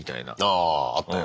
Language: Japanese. あああったよ